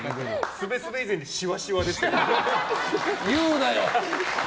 すべすべ以前にしわしわです。